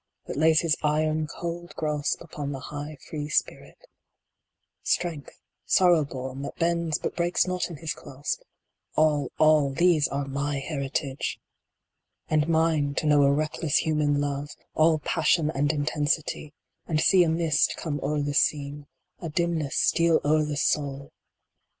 That lays his iron, cold grasp upon the high Free spirit : strength, sorrow born, that bends But breaks not in his clasp all, all These are "my heritage !" And mine to know a reckless human love, all passion 7 1 8 MY HERITAGE. and intensity, and see a mist come o er the scene, a dim ness steal o er the soul